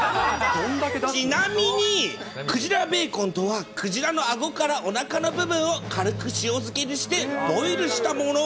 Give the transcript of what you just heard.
ちなみに、クジラベーコンとは、クジラのあごからおなかの部分を軽く塩漬けにしてボイルしたもの。